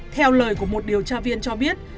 theo lời của một điều tra viên cho biết